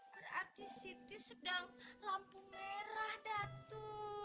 berarti siti sedang lampu merah datu